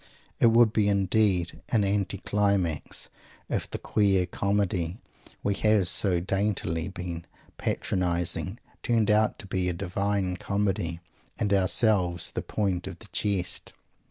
It would be indeed an anti climax if the queer Comedy we have so daintily been patronizing turned out to be a Divine Comedy and ourselves the point of the jest!